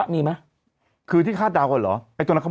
ไม่มีเลยครับ